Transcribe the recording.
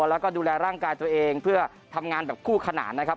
แล้วก็ดูแลร่างกายตัวเองเพื่อทำงานแบบคู่ขนานนะครับ